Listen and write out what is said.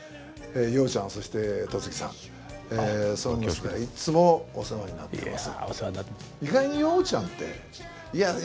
洋ちゃんそして戸次さん「ＳＯＮＧＳ」ではいつもお世話になっています。